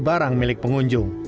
barang milik pengunjung